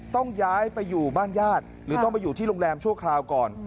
ต้องย้ายไปอยู่บ้านญาติหรือต้องไปอยู่ที่โรงแรมชั่วคราวก่อน